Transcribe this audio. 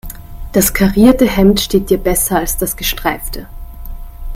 Das karierte Hemd steht dir besser als das gestreifte.